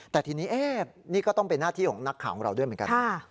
แต่ทีนี้นี่ก็ต้องเป็นหน้าที่ของนักข่าวของเราด้วยเหมือนกัน